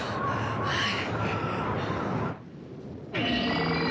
はい。